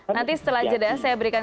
nanti setelah jeda saya berikan